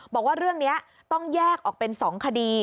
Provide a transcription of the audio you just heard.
บอกว่าเรื่องนี้ต้องแยกออกเป็น๒คดี